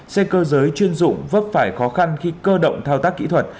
xe cơ giới chuyên dụng vấp phải khó khăn khi cơ động thao tác kỹ thuật